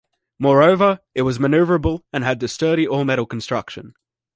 Moreover, it was maneuverable and had a sturdy all-metal construction.